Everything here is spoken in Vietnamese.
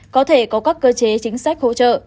có thể có các cơ chế chính sách hỗ trợ